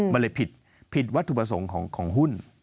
มันเลยผิดวัตถุประสงค์ของหุ้น